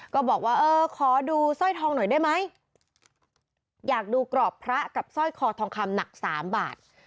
ก็บอกว่าเออขอดูสร้อยทองหน่อยได้ไหมอยากดูกรอบพระกับสร้อยคอทองคำหนักสามบาท